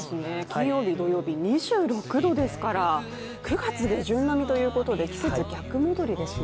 金曜日、土曜日、２６度ですから９月下旬並み、季節、逆戻りですね。